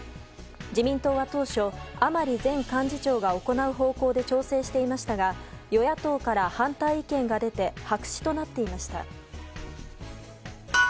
自民党は当初、甘利前幹事長が行う方向で調整していましたが与野党から反対意見が出て白紙となっていました。